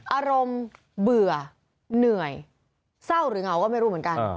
อารมณ์เบื่อเหนื่อยเศร้าหรือเหงาก็ไม่รู้เหมือนกัน